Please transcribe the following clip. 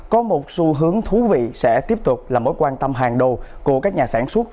có một xu hướng thú vị sẽ tiếp tục là mối quan tâm hàng đầu của các nhà sản xuất